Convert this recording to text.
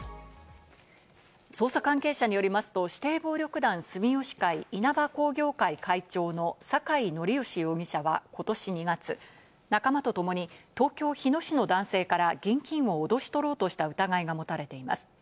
捜査関係者によりますと指定暴力団・住吉会稲葉工業会会長の酒井功芳容疑者は、今年２月、仲間とともに東京・日野市の男性から現金をおどし取ろうとした疑いが持たれています。